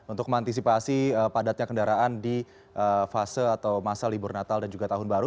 untuk mengantisipasi padatnya kendaraan di fase atau masa libur natal dan juga tahun baru